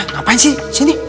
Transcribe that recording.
ngapain sih disini